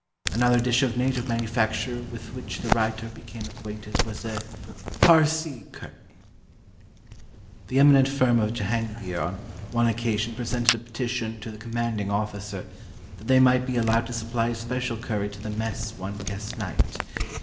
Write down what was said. Another dish of native manufacture with which the writer became acquainted was a Parsee Curry. The eminent firm of Jehangeer on one occasion presented a petition to the commanding officer that they might be allowed to supply a special curry to the mess one guest night.